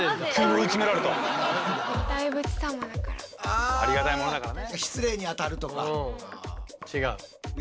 ありがたいものだからね。